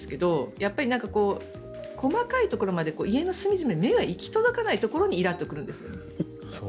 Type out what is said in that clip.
やっぱり、細かいところまで家の隅々に目が行き届かないところにイラッと来るんです。